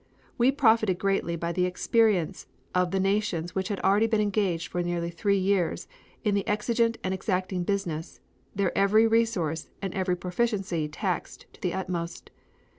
We profited greatly by the experience of the nations which had already been engaged for nearly three years in the exigent and exacting business, their every resource and every proficiency taxed to the utmost.